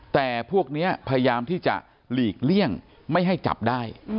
แต่พวกนี้พยายามที่จะหลีกเลี่ยงไม่ให้จับได้